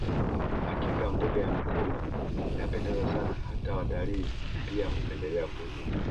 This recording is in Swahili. Hakika mbuga ya Mikumi inapendeza Sana hata watalii pia hupendelea kuja